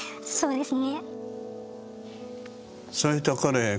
そうですね。